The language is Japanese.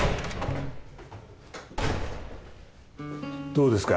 どうですか？